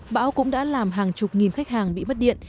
bão cũng đã làm hàng chục nghìn khách hàng bị mất điện